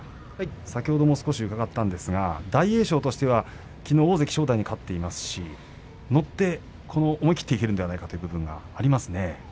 先ほども少し伺ったんですが大栄翔としてはきのう大関正代に勝っていますし乗って、思い切っていけるんじゃないかという部分もありますね。